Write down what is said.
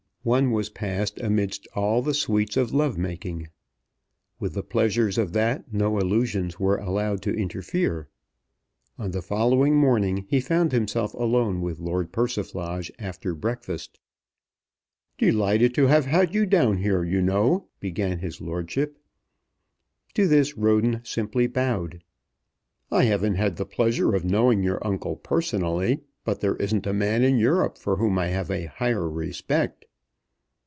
One was passed amidst all the sweets of love making. With the pleasures of that no allusions were allowed to interfere. On the following morning he found himself alone with Lord Persiflage after breakfast. "Delighted to have had you down here, you know," began his lordship. To this Roden simply bowed. "I haven't the pleasure of knowing your uncle personally, but there isn't a man in Europe for whom I have a higher respect."